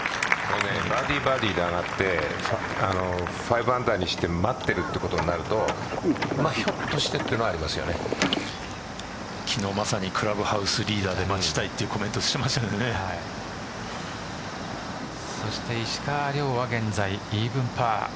バーディーバーディーで上がって５アンダーにして待ってるということになるとひょっとして昨日まさにクラブハウスリーダーで待ちたいというコメントをそして石川遼は現在イーブンパー。